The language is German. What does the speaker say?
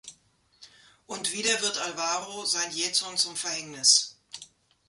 Und wieder wird Alvaro sein Jähzorn zum Verhängnis.